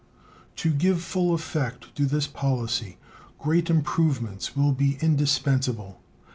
To give full effect to this policy great improvements will be indispensable.